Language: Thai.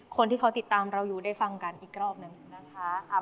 คนที่เขาติดตามเราอยู่ได้ฟังกันอีกรอบหนึ่งนะคะ